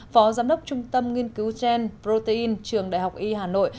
phó giám đốc trung tâm nghiên cứu gen protein trường đại học y hà nội